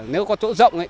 nếu có chỗ rộng